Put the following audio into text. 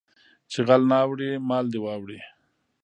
چې غل نه اوړي مال دې واوړي